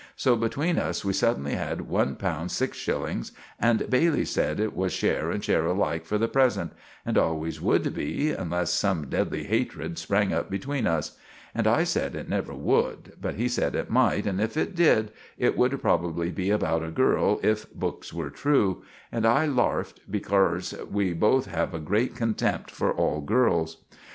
So between us we suddinly had one pound six shillings, and Bailey sed it was share and share alike for the present, and always would be unless some dedly hatred sprang up between us. And I sed it never would; but he sed it might, and if it did, it would probabbly be about a girl if books were true. And I larfed, becorse we both have a grate contemp for all girls.